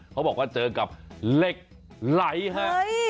เขาบอกว่าเจอกับเหล็กไหลฮะ